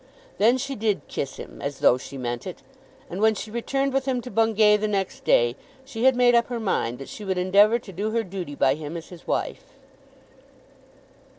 Then she did kiss him, "as though she meant it;" and when she returned with him to Bungay the next day, she had made up her mind that she would endeavour to do her duty by him as his wife.